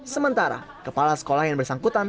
sementara kepala sekolah yang bersangkutan